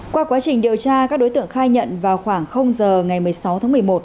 qua quá trình điều tra các đối tượng khai nhận vào khoảng giờ ngày một mươi sáu tháng một mươi một